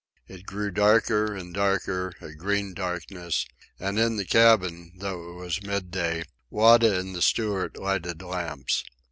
It grew darker and darker, a green darkness, and in the cabin, although it was midday, Wada and the steward lighted lamps.